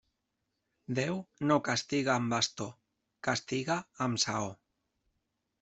Déu no castiga amb bastó, castiga amb saó.